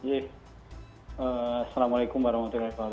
assalamualaikum wr wb